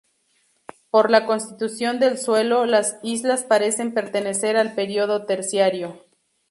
Por la constitución del suelo, las islas parecen pertenecer al período terciario.